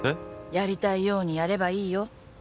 やりたいようにやればいいよ。